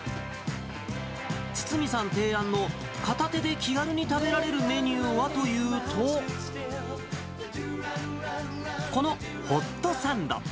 堤さん提案の片手で気軽に食べられるメニューはというと、このホットサンド。